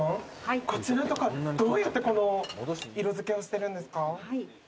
こちらとかどうやって色付けをしてるんですか？